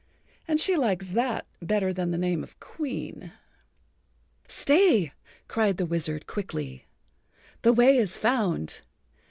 And she likes that better than the name of Queen." "Stay," cried the wizard quickly. "The way is found.